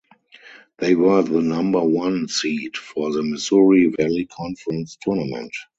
They were the number one seed for the Missouri Valley Conference Tournament.